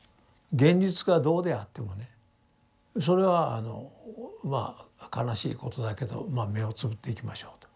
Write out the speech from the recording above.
現実がどうであってもねそれはあのまあ悲しいことだけどまあ目をつぶっていきましょうと。